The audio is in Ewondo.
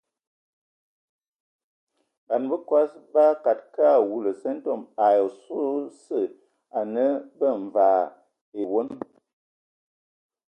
Ban bəkɔs bakad kə ba wulu sƐntome ai oswe osə anə bə mvaa biwoŋ.